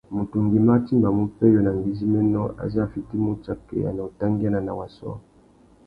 Mutu ngüimá a timbamú pêyô na ngüidjiménô azê a fitimú utsakeya na utangüiana na wa sôō.